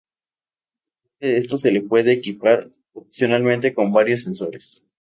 Aparte de esto, se le puede equipar opcionalmente con varios sensores.